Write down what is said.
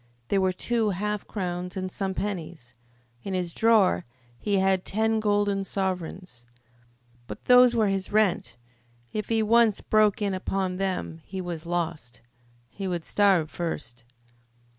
There were two half crowns and some pennies. In his drawer he had ten golden sovereigns. But those were his rent. If he once broke in upon them he was lost. He would starve first.